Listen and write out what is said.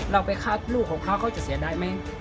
เราไปคัดลูกของเขาเขาจะเสียดายไหม